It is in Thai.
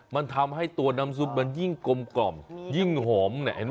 มันทำให้ตัวน้ำซุปมันยิ่งกลมกล่อมยิ่งหอม